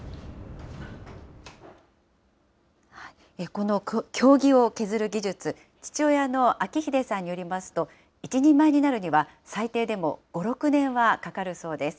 この経木を削る技術、父親の彰秀さんによりますと、一人前になるには、最低でも５、６年はかかるそうです。